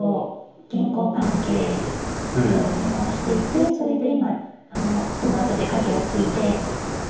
銀行関係のサラリーマンをしていてそれで今あのそのあとで家業を継いで。